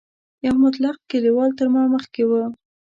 یو مطلق کلیوال تر ما مخکې و.